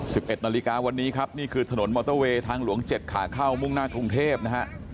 สิบเอ็ดนาฬิกาวันนี้ครับนี่คือถนนมอเตอร์เวย์ทางหลวงเจ็ดขาเข้ามุ่งหน้ากรุงเทพนะฮะ